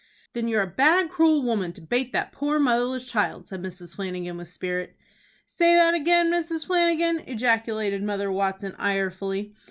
"Then you're a bad, cruel woman, to bate that poor motherless child," said Mrs. Flanagan, with spirit. "Say that again, Mrs. Flanagan," ejaculated Mother Watson, irefully.